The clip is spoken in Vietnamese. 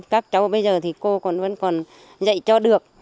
các cháu bây giờ thì cô còn vẫn còn dạy cho được